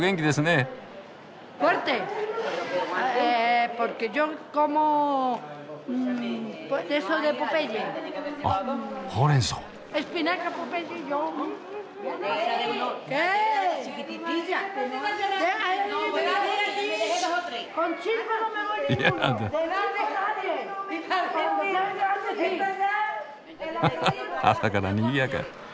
ははっ朝からにぎやか。